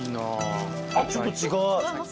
ちょっと違う。